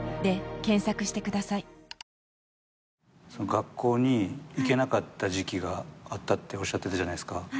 学校に行けなかった時期があったっておっしゃってたじゃないっすか。